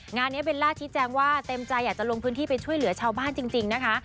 งานนี้เบลล่าชี้แจงว่าเต็มใจอยากจะลงพื้นที่ไปช่วยเหลือชาวบ้านจริงนะคะ